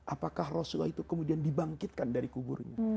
apakah rasulullah itu kemudian dibangkitkan dari kuburnya